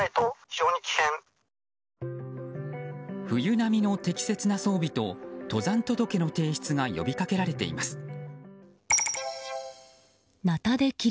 冬並みの適切な装備と登山届の提出が呼びかけられています。